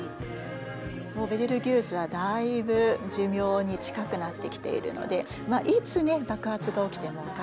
もうベテルギウスはだいぶ寿命に近くなってきているのでいつね爆発が起きてもおかしくないといわれています。